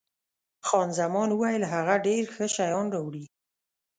خان زمان وویل، هغه ډېر ښه شیان راوړي.